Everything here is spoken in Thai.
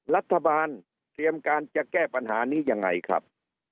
รัฐบาลเตรียมการจะแก้ปัญหานี้ยังไงครับ